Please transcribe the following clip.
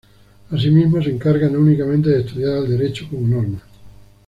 Asimismo, se encarga no únicamente de estudiar al derecho como norma.